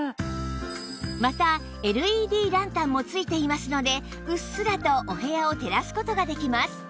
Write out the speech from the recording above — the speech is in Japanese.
また ＬＥＤ ランタンも付いていますのでうっすらとお部屋を照らす事ができます